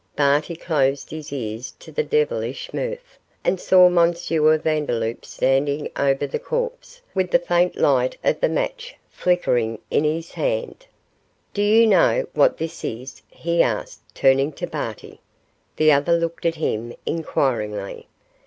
Barty closed his ears to the devilish mirth, and saw M. Vandeloup standing over the corpse, with the faint light of the match flickering in his hand. 'Do you know what this is?' he asked, turning to Barty. The other looked at him inquiringly.